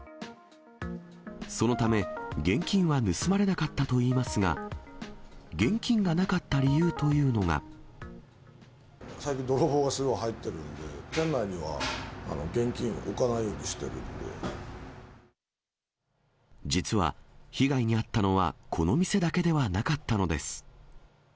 そのため、現金は盗まれなかったといいますが、現金がなかった理由というの最近、泥棒がすごい入ってるんで、店内には現金置かないようにして実は、被害に遭ったのはこの店だけではなかったのです。